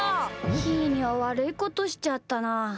ひーにはわるいことしちゃったな。